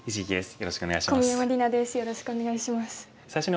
よろしくお願いします。